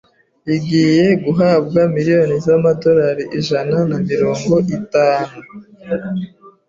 igiye guhabwa miliyoni zama $ ijana namirongo itanu